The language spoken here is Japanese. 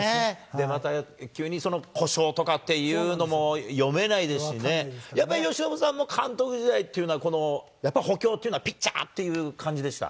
また、急に故障とかっていうのも読めないですしね、やっぱり由伸さんも監督時代っていうのは、やっぱり、補強というのはピッチャーっていう感じでした？